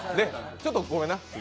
ちょっとごめんな。